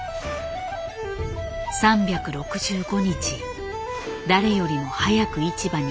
３６５日誰よりも早く市場に出向き